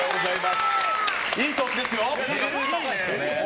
いい調子ですよ。